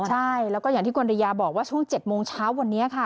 ใช่แล้วก็อย่างที่คุณริยาบอกว่าช่วง๗โมงเช้าวันนี้ค่ะ